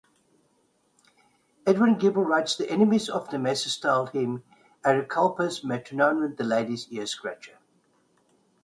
Edward Gibbon writes, "The enemies of Damasus styled him "Auriscalpius Matronarum," the ladies' ear-scratcher.